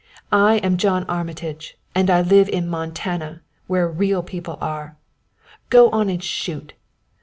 I am John Armitage, and I live in Montana, where real people are. Go on and shoot!